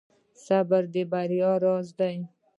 • صبر د بریا راز دی.